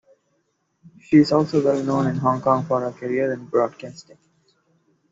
She is also well known in Hong Kong for her career in broadcasting.